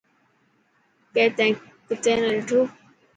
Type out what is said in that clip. ڪي تين ڪتي نا ڏٺو.